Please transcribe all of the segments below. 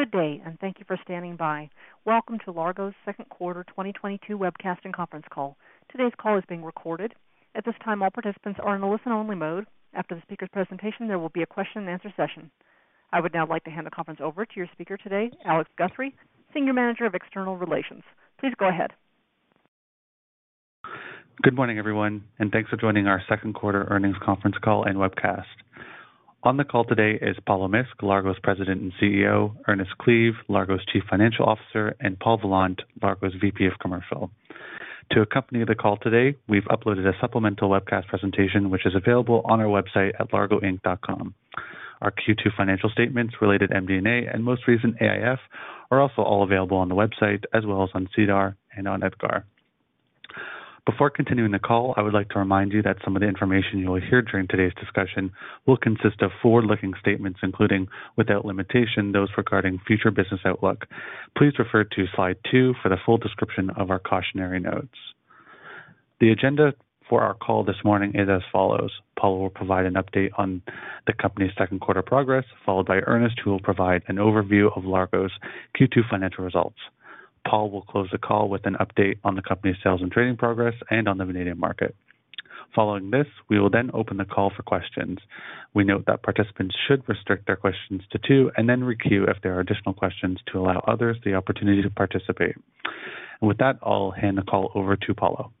Good day, and thank you for standing by. Welcome to Largo's second quarter 2022 webcast and conference call. Today's call is being recorded. At this time, all participants are in a listen-only mode. After the speaker's presentation, there will be a question-and-answer session. I would now like to hand the conference over to your speaker today, Alex Guthrie, Senior Manager of External Relations. Please go ahead. Good morning, everyone, and thanks for joining our second quarter earnings conference call and webcast. On the call today is Paulo Misk, Largo's President and CEO, Ernest Cleave, Largo's Chief Financial Officer, and Paul Vollant, Largo's VP of Commercial. To accompany the call today, we've uploaded a supplemental webcast presentation, which is available on our website at largoinc.com. Our Q2 financial statements, related MD&A, and most recent AIF are also all available on the website as well as on SEDAR and on EDGAR. Before continuing the call, I would like to remind you that some of the information you'll hear during today's discussion will consist of forward-looking statements, including, without limitation, those regarding future business outlook. Please refer to Slide 2 for the full description of our cautionary notes. The agenda for our call this morning is as follows. Paulo will provide an update on the company's second quarter progress, followed by Ernest, who will provide an overview of Largo's Q2 financial results. Paul will close the call with an update on the company's sales and trading progress and on the vanadium market. Following this, we will then open the call for questions. We note that participants should restrict their questions to two and then re-queue if there are additional questions to allow others the opportunity to participate. With that, I'll hand the call over to Paulo.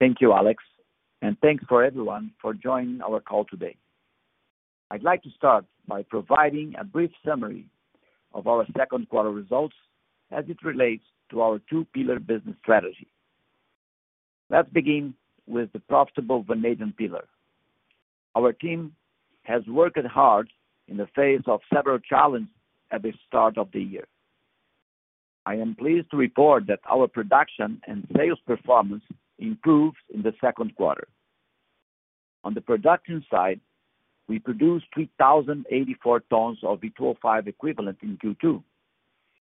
Thank you, Alex, and thanks for everyone for joining our call today. I'd like to start by providing a brief summary of our second quarter results as it relates to our two pillar business strategy. Let's begin with the profitable vanadium pillar. Our team has worked hard in the face of several challenges at the start of the year. I am pleased to report that our production and sales performance improved in the second quarter. On the production side, we produced 3,084 tons of V2O5 equivalent in Q2,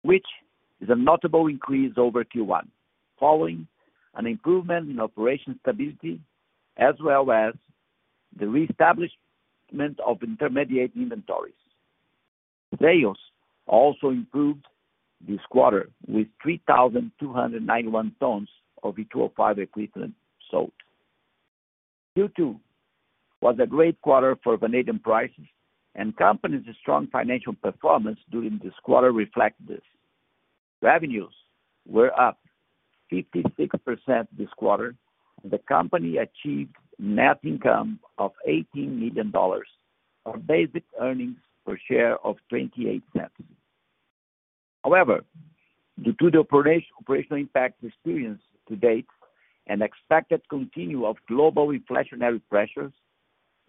which is a notable increase over Q1 following an improvement in operation stability as well as the re-establishment of intermediate inventories. Sales also improved this quarter with 3,291 tons of V2O5 equivalent sold. Q2 was a great quarter for vanadium prices and the company's strong financial performance during this quarter reflect this. Revenues were up 56% this quarter. The company achieved net income of $18 million on basic earnings per share of $0.28. However, due to the operational impact experienced to date and expected continuation of global inflationary pressures,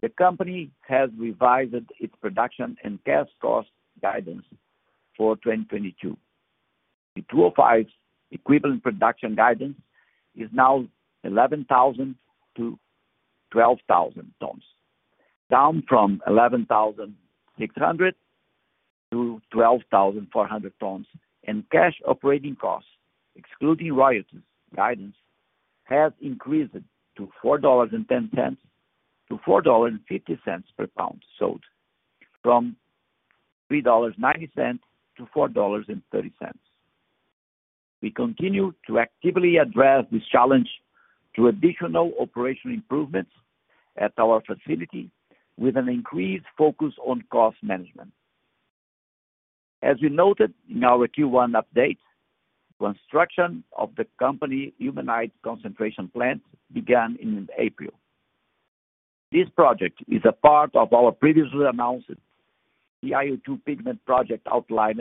the company has revised its production and cash cost guidance for 2022. The V2O5 equivalent production guidance is now 11,000-12,000 tons, down from 11,600-12,400 tons. Cash operating costs excluding royalties guidance has increased to $4.10-$4.50 per pound sold from $3.90-$4.30. We continue to actively address this challenge through additional operational improvements at our facility with an increased focus on cost management. As we noted in our Q1 update, construction of the company's ilmenite concentration plant began in April. This project is a part of our previously announced TiO2 pigment project outlined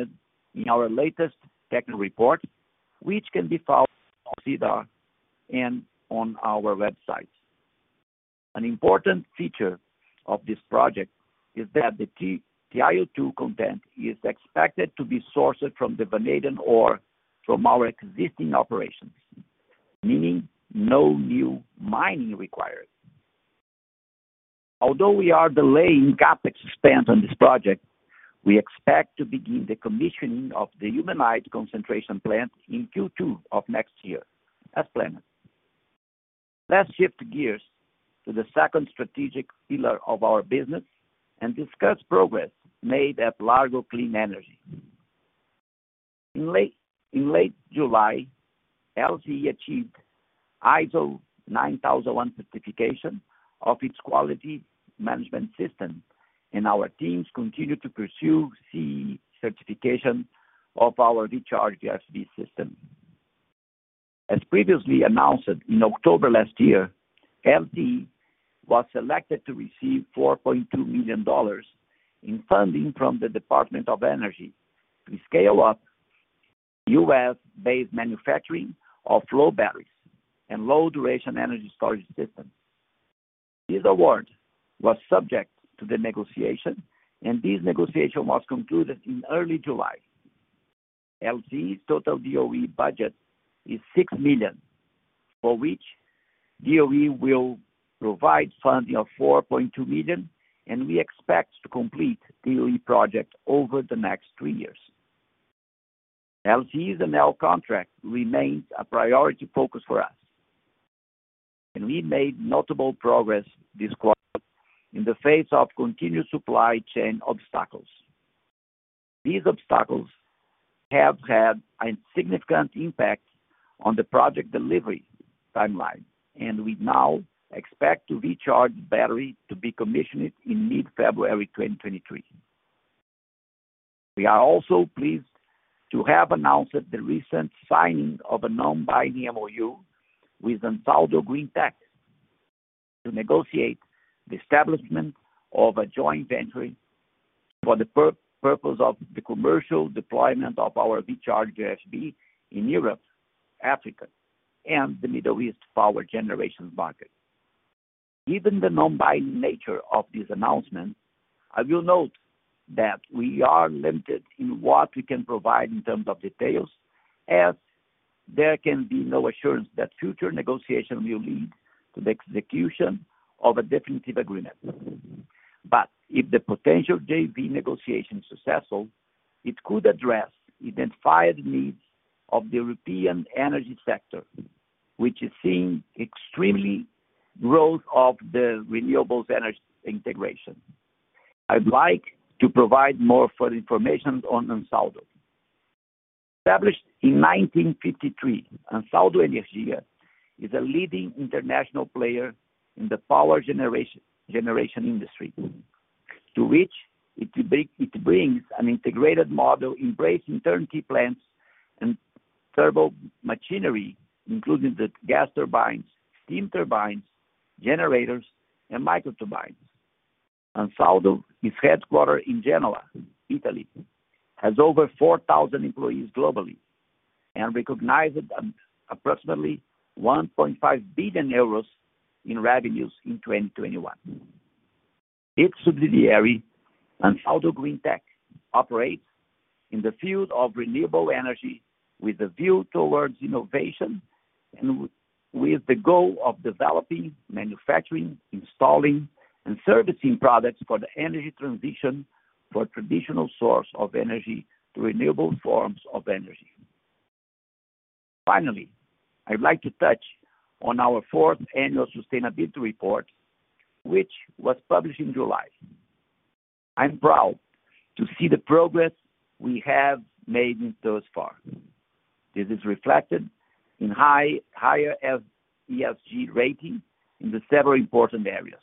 in our latest tech report, which can be found on SEDAR and on our website. An important feature of this project is that the TiO2 content is expected to be sourced from the vanadium ore from our existing operations, meaning no new mining required. Although we are delaying CapEx spend on this project, we expect to begin the commissioning of the ilmenite concentration plant in Q2 of next year as planned. Let's shift gears to the second strategic pillar of our business and discuss progress made at Largo Clean Energy. In late July, LCE achieved ISO 9001 certification of its quality management system, and our teams continue to pursue the certification of our VCHARGE system. As previously announced in October last year, LCE was selected to receive $4.2 million in funding from the Department of Energy to scale up US-based manufacturing of flow batteries and long-duration energy storage systems. This award was subject to the negotiation, and this negotiation was concluded in early July. LCE's total DOE budget is $6 million, for which DOE will provide funding of $4.2 million, and we expect to complete DOE project over the next three years. LCE's Enel contract remains a priority focus for us, and we made notable progress this quarter in the face of continued supply chain obstacles. These obstacles have had a significant impact on the project delivery timeline, and we now expect the VCHARGE battery to be commissioned in mid-February 2023. We are also pleased to have announced the recent signing of a non-binding MoU with Ansaldo Green Tech to negotiate the establishment of a joint venture for the purpose of the commercial deployment of our VCHARGE SB in Europe, Africa, and the Middle East power generation market. Given the non-binding nature of this announcement, I will note that we are limited in what we can provide in terms of details, as there can be no assurance that future negotiation will lead to the execution of a definitive agreement. If the potential JV negotiation successful, it could address identified needs of the European energy sector, which is seeing extreme growth of the renewable energy integration. I'd like to provide further information on Ansaldo. Established in 1953, Ansaldo Energia is a leading international player in the power generation industry. It brings an integrated model embracing turnkey plants and turbo machinery, including the gas turbines, steam turbines, generators, and micro turbines. Ansaldo is headquartered in Genoa, Italy, has over 4,000 employees globally and recognized approximately 1.5 billion euros in revenues in 2021. Its subsidiary, Ansaldo Green Tech, operates in the field of renewable energy with a view towards innovation and with the goal of developing, manufacturing, installing, and servicing products for the energy transition for traditional source of energy to renewable forms of energy. Finally, I'd like to touch on our fourth annual sustainability report, which was published in July. I'm proud to see the progress we have made thus far. This is reflected in higher ESG rating in several important areas.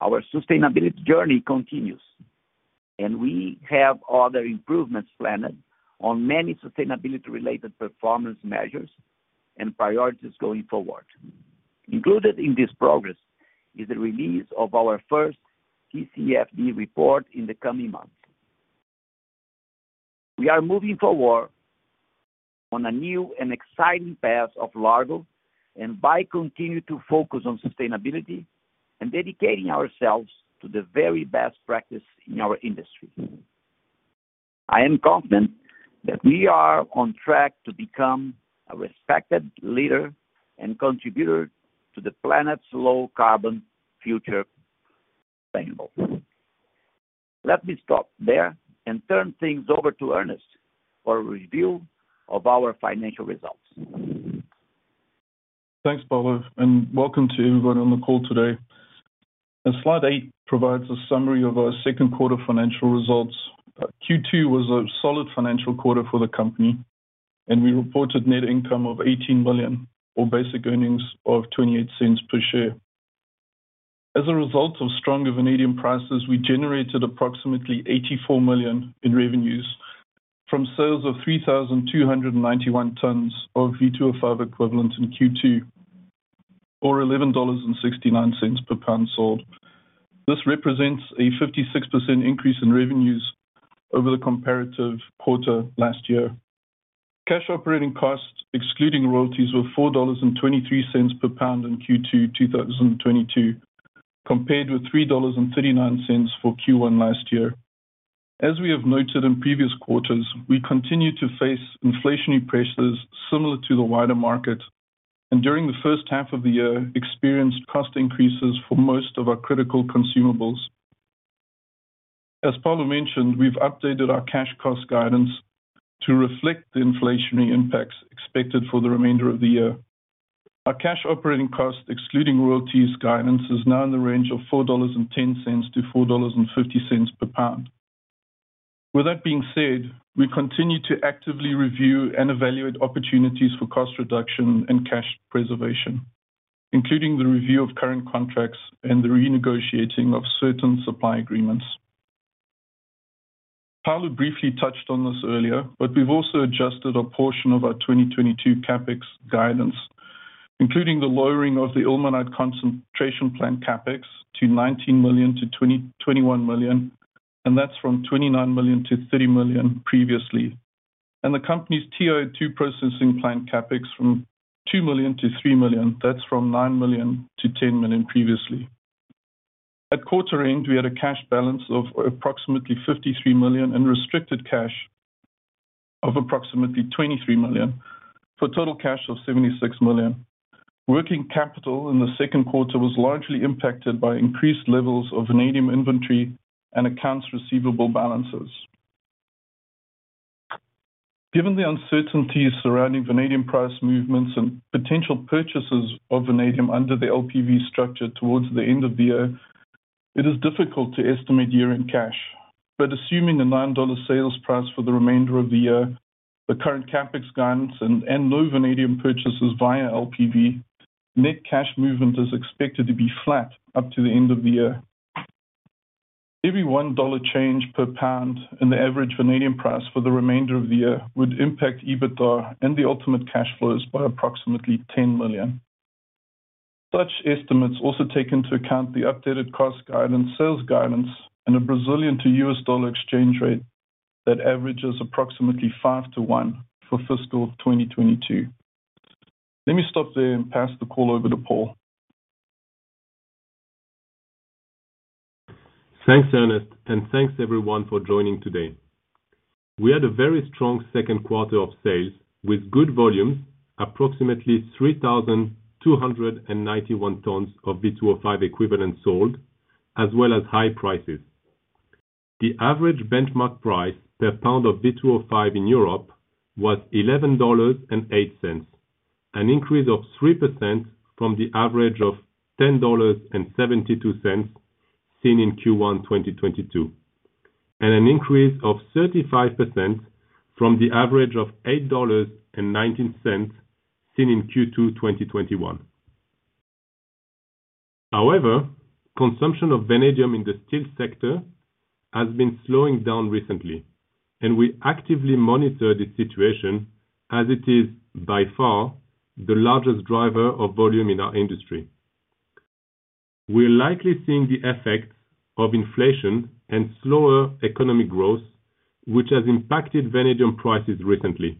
Our sustainability journey continues, and we have other improvements planned on many sustainability-related performance measures and priorities going forward. Included in this progress is the release of our first TCFD report in the coming months. We are moving forward on a new and exciting path of Largo and by continuing to focus on sustainability and dedicating ourselves to the very best practice in our industry. I am confident that we are on track to become a respected leader and contributor to the planet's low-carbon future sustainable. Let me stop there and turn things over to Ernest for a review of our financial results. Thanks, Paulo, and welcome to everyone on the call today. Slide 8 provides a summary of our second quarter financial results. Q2 was a solid financial quarter for the company, and we reported net income of $18 million or basic earnings of $0.28 per share. As a result of stronger vanadium prices, we generated approximately $84 million in revenues from sales of 3,291 tons of V2O5 equivalent in Q2, or $11.69 per pound sold. This represents a 56% increase in revenues over the comparative quarter last year. Cash operating costs, excluding royalties, were $4.23 per pound in Q2 2022, compared with $3.39 for Q1 last year. As we have noted in previous quarters, we continue to face inflationary pressures similar to the wider market, and during the first half of the year, experienced cost increases for most of our critical consumables. As Paulo mentioned, we've updated our cash cost guidance to reflect the inflationary impacts expected for the remainder of the year. Our cash operating cost, excluding royalties guidance, is now in the range of $4.10-$4.50 per pound. With that being said, we continue to actively review and evaluate opportunities for cost reduction and cash preservation, including the review of current contracts and the renegotiating of certain supply agreements. Paulo briefly touched on this earlier, but we've also adjusted a portion of our 2022 CapEx guidance, including the lowering of the ilmenite concentration plant CapEx to $19 million-$21 million, and that's from $29 million-$30 million previously. The company's TiO2 processing plant CapEx from $2 million-$3 million. That's from $9 million-$10 million previously. At quarter end, we had a cash balance of approximately $53 million and restricted cash of approximately $23 million, for total cash of $76 million. Working capital in the second quarter was largely impacted by increased levels of vanadium inventory and accounts receivable balances. Given the uncertainties surrounding vanadium price movements and potential purchases of vanadium under the LPV structure towards the end of the year, it is difficult to estimate year-end cash. Assuming the $9 sales price for the remainder of the year, the current CapEx guidance and low vanadium purchases via LPV, net cash movement is expected to be flat up to the end of the year. Every $1 change per pound in the average vanadium price for the remainder of the year would impact EBITDA and the ultimate cash flows by approximately $10 million. Such estimates also take into account the updated cost guidance, sales guidance, and a Brazilian to US dollar exchange rate that averages approximately 5-to-1 for fiscal 2022. Let me stop there and pass the call over to Paul Vollant. Thanks, Ernest, and thanks everyone for joining today. We had a very strong second quarter of sales with good volumes, approximately 3,291 tons of V2O5 equivalents sold, as well as high prices. The average benchmark price per pound of V2O5 in Europe was $11.08, an increase of 3% from the average of $10.72 seen in Q1 2022, and an increase of 35% from the average of $8.19 seen in Q2 2021. However, consumption of vanadium in the steel sector has been slowing down recently, and we actively monitor the situation as it is by far the largest driver of volume in our industry. We're likely seeing the effect of inflation and slower economic growth, which has impacted vanadium prices recently.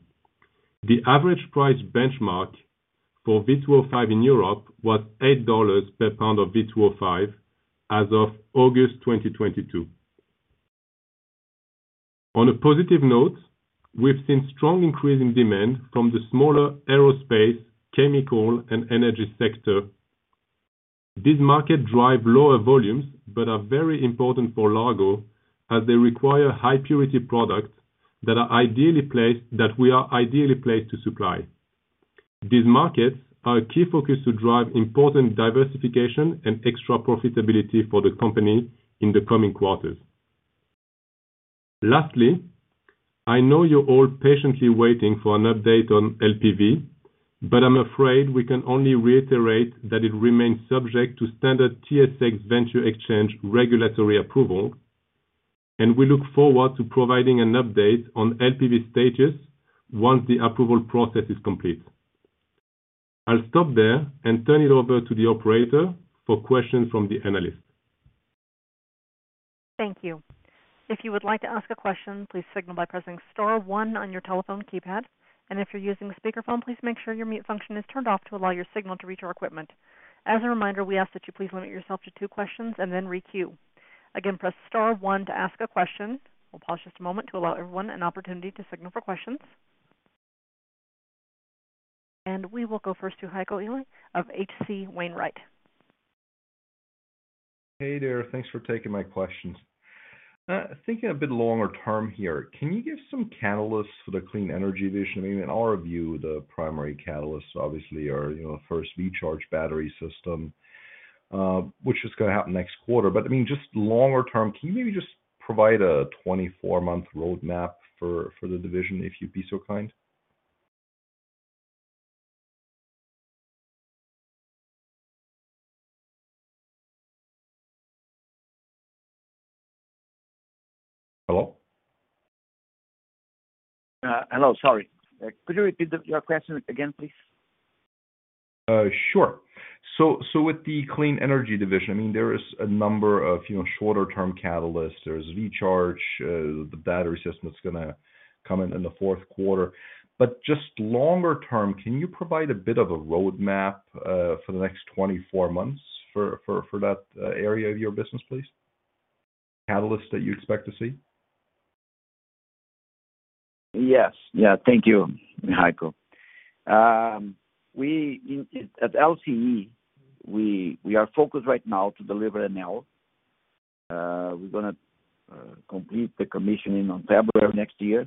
The average price benchmark for V2O5 in Europe was $8 per pound of V2O5 as of August 2022. On a positive note, we've seen strong increase in demand from the smaller aerospace, chemical, and energy sector. These markets drive lower volumes, but are very important for Largo as they require high purity products that we are ideally placed to supply. These markets are a key focus to drive important diversification and extra profitability for the company in the coming quarters. Lastly, I know you're all patiently waiting for an update on LPV, but I'm afraid we can only reiterate that it remains subject to standard TSX Venture Exchange regulatory approval, and we look forward to providing an update on LPV status once the approval process is complete. I'll stop there and turn it over to the operator for questions from the analysts. Thank you. If you would like to ask a question, please signal by pressing star one on your telephone keypad. If you're using a speakerphone, please make sure your mute function is turned off to allow your signal to reach our equipment. As a reminder, we ask that you please limit yourself to two questions and then re-queue. Again, press star one to ask a question. We'll pause just a moment to allow everyone an opportunity to signal for questions. We will go first to Heiko Ihle of H.C. Wainwright & Co. Hey there. Thanks for taking my questions. Thinking a bit longer term here, can you give some catalysts for the clean energy division? I mean, in our view, the primary catalysts obviously are, you know, first VCHARGE battery system, which is gonna happen next quarter. I mean, just longer term, can you maybe just provide a 24-month roadmap for the division, if you'd be so kind? Hello? Hello. Sorry. Could you repeat the, your question again, please? Sure. With the clean energy division, I mean, there is a number of, you know, shorter term catalysts. There's VCHARGE, the battery system that's gonna come in in the fourth quarter. Just longer term, can you provide a bit of a roadmap for the next 24 months for that area of your business, please? Catalysts that you expect to see. Yes. Yeah. Thank you, Heiko. We at LCE are focused right now to deliver Enel. We're gonna complete the commissioning on February of next year.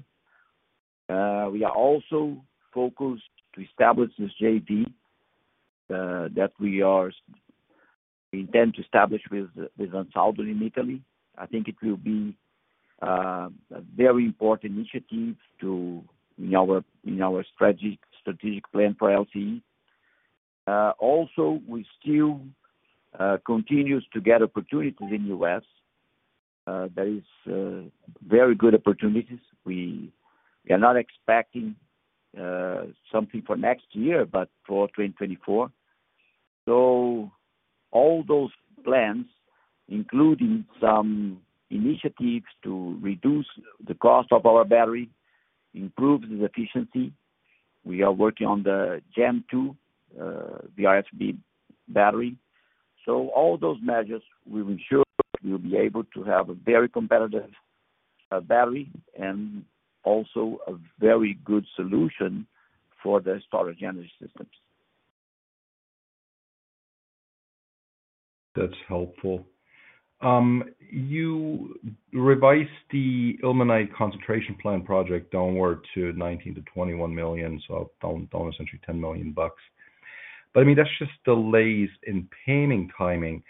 We are also focused to establish this JV that we intend to establish with Ansaldo in Italy. I think it will be a very important initiative in our strategic plan for LCE. Also we still continues to get opportunities in U.S. There is very good opportunities. We are not expecting something for next year, but for 2024. All those plans, including some initiatives to reduce the cost of our battery, improve the efficiency, we are working on the second generation the VCHARGE battery. All those measures will ensure we'll be able to have a very competitive a battery and also a very good solution for the energy storage systems. That's helpful. You revised the ilmenite concentration plant project downward to $19 million-$21 million, so down essentially $10 million. I mean, that's just delays in permitting timing.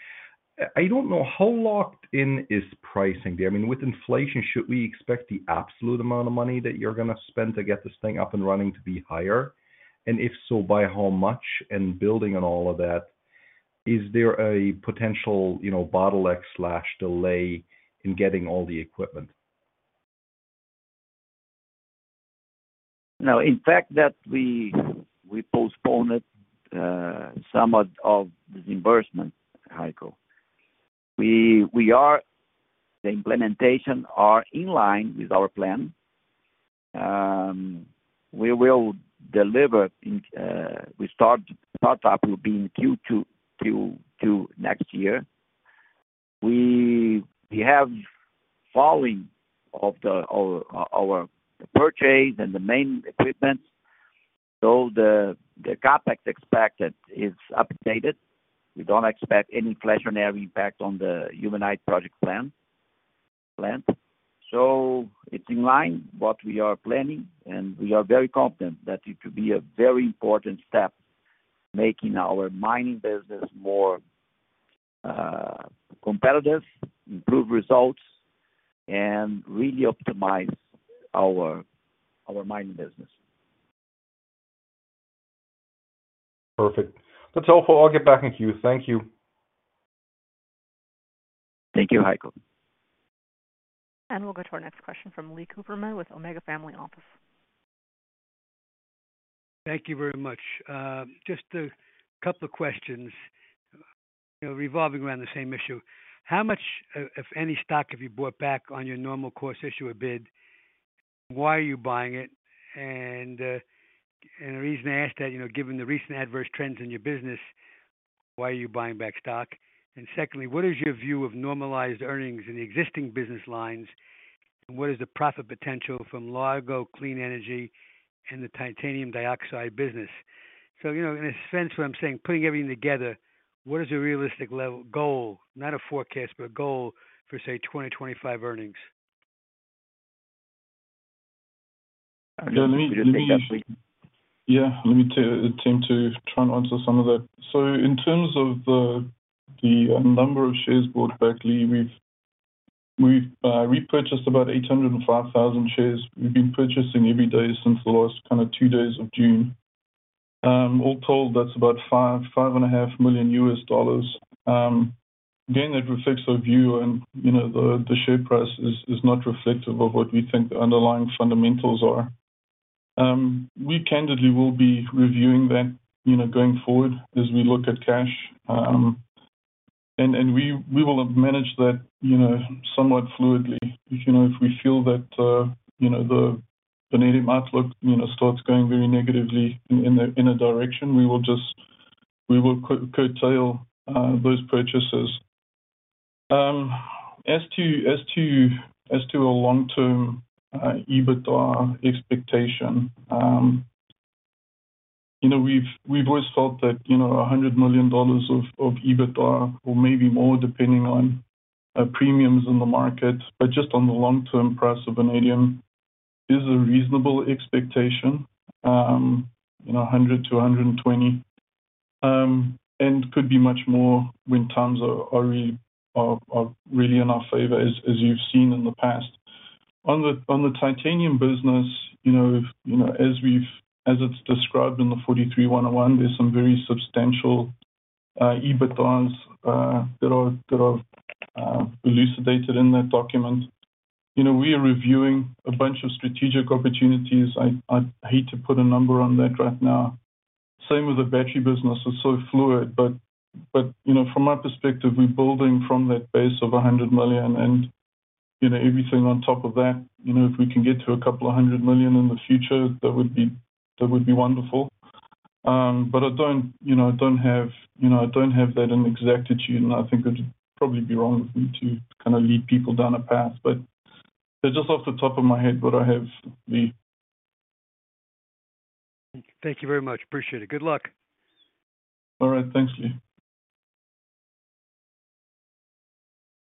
I don't know how locked in is pricing there. I mean, with inflation, should we expect the absolute amount of money that you're gonna spend to get this thing up and running to be higher? And if so, by how much? And building on all of that, is there a potential, you know, bottleneck or delay in getting all the equipment? No. In fact, we postponed some of the reimbursement, Heiko. The implementation are in line with our plan. Startup will be in Q2 next year. We have financing of our purchase and the main equipment. So the CapEx expected is updated. We don't expect any inflationary impact on the ilmenite project plan. So it's in line what we are planning, and we are very confident that it will be a very important step making our mining business more competitive, improve results, and really optimize our mining business. Perfect. That's all for now. I'll get back in queue. Thank you. Thank you, Heiko. We'll go to our next question from Lee Cooperman with Omega Family Office. Thank you very much. Just a couple of questions, you know, revolving around the same issue. How much, if any, stock have you bought back on your Normal Course Issuer Bid? Why are you buying it? The reason I ask that, you know, given the recent adverse trends in your business, why are you buying back stock? Secondly, what is your view of normalized earnings in the existing business lines, and what is the profit potential from Largo Clean Energy and the titanium dioxide business? You know, in a sense, what I'm saying, putting everything together, what is your realistic level goal, not a forecast, but a goal for, say, 2025 earnings? Yeah. Let me. Yeah. Let me attempt to try and answer some of that. In terms of the number of shares bought back, Lee, we've repurchased about 805,000 shares. We've been purchasing every day since the last kind of two days of June. All told, that's about $5.5 million. Again, that reflects our view and, you know, the share price is not reflective of what we think the underlying fundamentals are. We candidly will be reviewing that, you know, going forward as we look at cash. And we will manage that, you know, somewhat fluidly. You know, if we feel that, you know, the vanadium outlook, you know, starts going very negatively in a direction, we will just curtail those purchases. As to a long-term EBITDA expectation, you know, we've always felt that, you know, $100 million of EBITDA or maybe more depending on premiums in the market, but just on the long-term price of vanadium is a reasonable expectation, you know, $100-$120. Could be much more when times are really in our favor as you've seen in the past. On the titanium business, you know, as it's described in the NI 43-101, there's some very substantial EBITDA that are elucidated in that document. You know, we are reviewing a bunch of strategic opportunities. I'd hate to put a number on that right now. Same with the battery business. It's so fluid. You know, from my perspective, we're building from that base of $100 million and, you know, everything on top of that. You know, if we can get to a couple of $100 million in the future, that would be wonderful. I don't have that in exactitude, and I think it'd probably be wrong of me to kinda lead people down a path. That's just off the top of my head what I have, Lee. Thank you very much. Appreciate it. Good luck. All right. Thanks, Lee.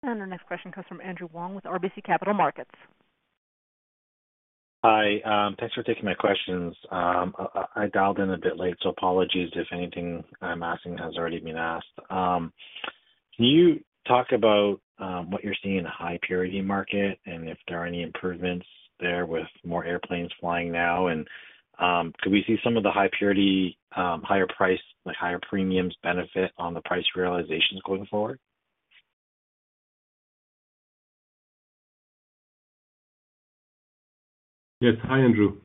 Our next question comes from Andrew Wong with RBC Capital Markets. Hi. Thanks for taking my questions. I dialed in a bit late, so apologies if anything I'm asking has already been asked. Can you talk about what you're seeing in the high purity market, and if there are any improvements there with more airplanes flying now? Could we see some of the high purity higher price, like higher premiums benefit on the price realizations going forward? Yes. Hi, Andrew.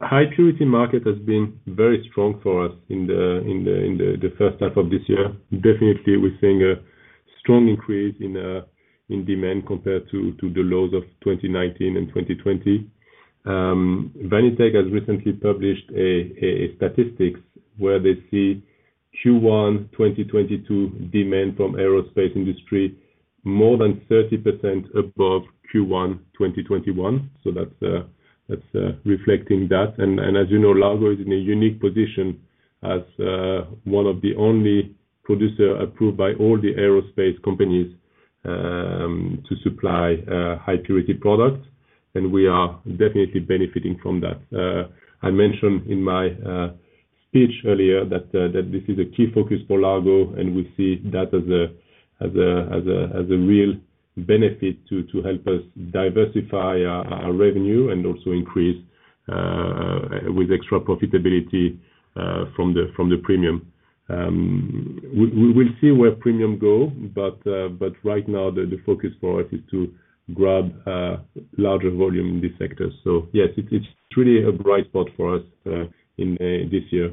High purity market has been very strong for us in the first half of this year. Definitely we're seeing a strong increase in demand compared to the lows of 2019 and 2020. Vanitec has recently published a statistics where they see. Q1 2022 demand from aerospace industry more than 30% above Q1 2021. That's reflecting that. As you know, Largo is in a unique position as one of the only producer approved by all the aerospace companies to supply high purity products, and we are definitely benefiting from that. I mentioned in my speech earlier that this is a key focus for Largo, and we see that as a real benefit to help us diversify our revenue and also increase with extra profitability from the premium. We will see where premium go, but right now the focus for us is to grab larger volume in this sector. Yes, it's truly a bright spot for us in this year.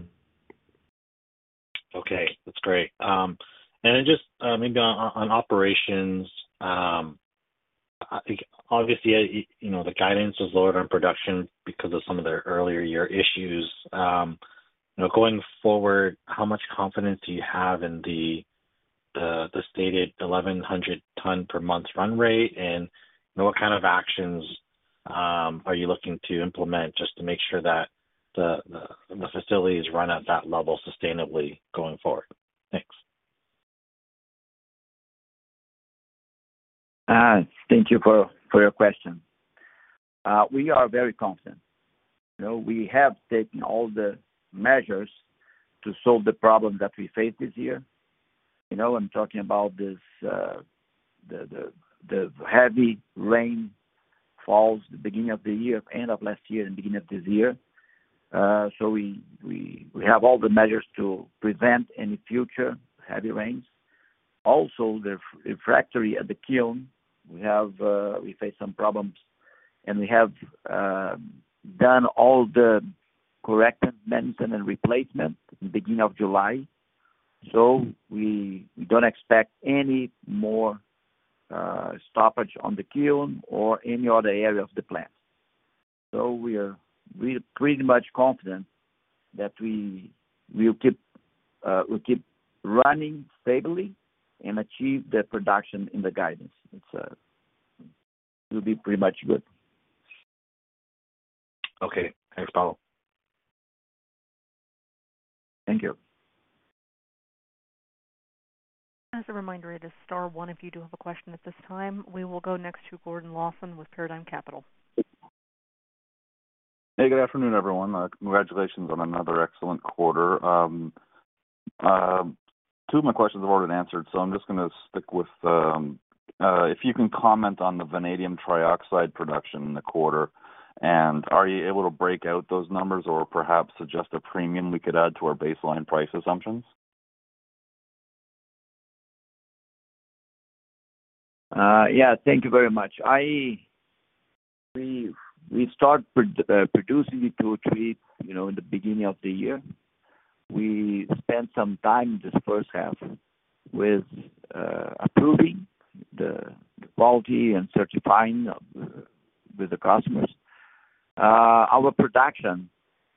Okay, that's great. Just maybe on operations. I think obviously, you know, the guidance was lowered on production because of some of the earlier year issues. You know, going forward, how much confidence do you have in the stated 1,100-ton per month run rate? And what kind of actions are you looking to implement just to make sure that the facilities run at that level sustainably going forward? Thanks. Thank you for your question. We are very confident. You know, we have taken all the measures to solve the problem that we faced this year. You know, I'm talking about this, the heavy rainfalls, the beginning of the year, end of last year and beginning of this year. We have all the measures to prevent any future heavy rains. Also, the refractory at the kiln, we face some problems. We have done all the corrective maintenance and replacement beginning of July. We don't expect any more stoppage on the kiln or any other area of the plant. We are pretty much confident that we keep running stably and achieve the production in the guidance. It will be pretty much good. Okay. Thanks, Paulo. Thank you. As a reminder, it is star one if you do have a question at this time. We will go next to Gordon Lawson with Paradigm Capital. Hey, good afternoon, everyone. Congratulations on another excellent quarter. Two of my questions have already answered, so I'm just gonna stick with if you can comment on the vanadium trioxide production in the quarter. Are you able to break out those numbers or perhaps suggest a premium we could add to our baseline price assumptions? Yeah. Thank you very much. We start producing V2O3, you know, in the beginning of the year. We spent some time this first half with approving the quality and certifying with the customers. Our production,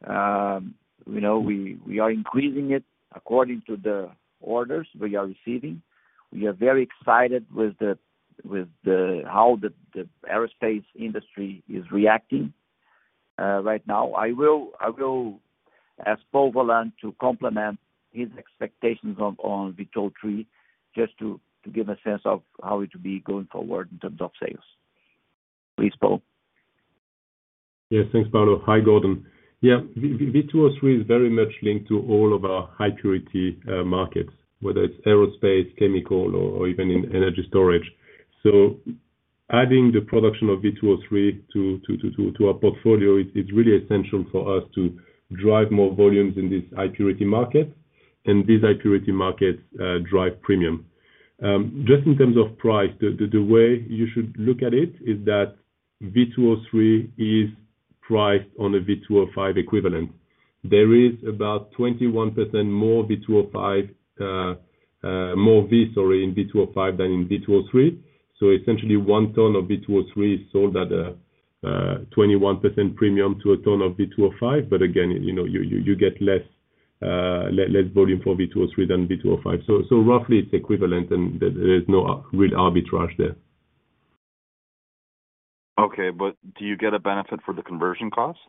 you know, we are increasing it according to the orders we are receiving. We are very excited with how the aerospace industry is reacting right now. I will ask Paul Vollant to supplement his expectations on V2O3 just to give a sense of how it will be going forward in terms of sales. Please, Paul. Yes. Thanks, Paulo. Hi, Gordon. Yeah. V2O3 is very much linked to all of our high purity markets, whether it's aerospace, chemical or even in energy storage. Adding the production of V2O3 to our portfolio is really essential for us to drive more volumes in this high purity market and these high purity markets drive premium. Just in terms of price, the way you should look at it is that V2O3 is priced on a V2O5 equivalent. There is about 21% more V2O5, more V, sorry, in V2O5 than in V2O3. Essentially one ton of V2O3 is sold at a 21% premium to a ton of V2O5. Again, you know, you get less volume for V2O3 than V2O5. Roughly it's equivalent and there's no real arbitrage there. Okay. Do you get a benefit for the conversion costs?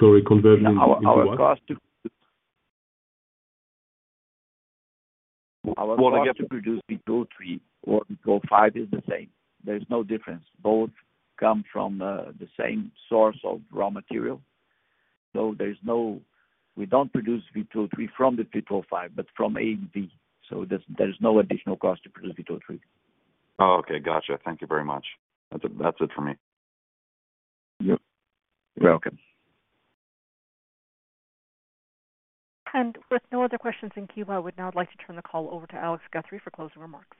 Sorry, conversion to what? Our cost to. Well, I guess. Our cost to produce V2O3 or V2O5 is the same. There's no difference. Both come from the same source of raw material. We don't produce V2O3 from the V2O5, but from AMV. There's no additional cost to produce V2O3. Oh, okay. Gotcha. Thank you very much. That's it for me. Yep. You're welcome. With no other questions in queue, I would now like to turn the call over to Alex Guthrie for closing remarks.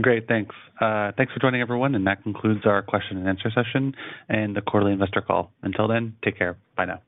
Great, thanks. Thanks for joining everyone, and that concludes our question and answer session and the quarterly investor call. Until then, take care. Bye now.